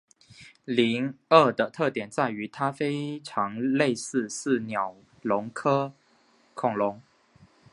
灵鳄的特点在于它非常类似似鸟龙科恐龙。